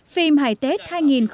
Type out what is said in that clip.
phim hài tết hai nghìn một mươi chín